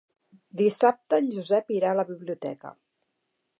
Dissabte en Josep irà a la biblioteca.